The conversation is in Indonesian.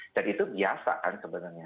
dan itu biasa kan sebenarnya